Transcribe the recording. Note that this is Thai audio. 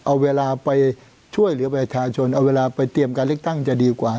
เอาเวลาไปช่วยเหลือประชาชนเอาเวลาไปเตรียมการเลือกตั้งจะดีกว่า